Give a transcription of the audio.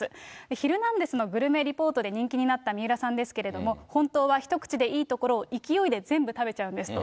ヒルナンデス！のグルメリポートで人気になった水卜さんですけれども、本当は一口でいいところを勢いで全部食べちゃうんですと。